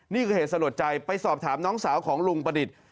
นี่คือเหตุสลดใจไปสอบถามน้องสาวของลุงประดิษฐ์